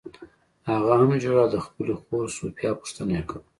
هغه هم ژړل او د خپلې خور سوفیا پوښتنه یې کوله